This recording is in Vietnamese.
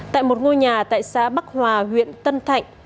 tại một ngôi nhà tại xã bắc hòa huyện tân thạnh